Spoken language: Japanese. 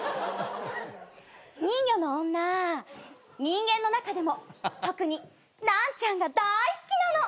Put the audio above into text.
人魚の女人間の中でも特にナンチャンがだい好きなの。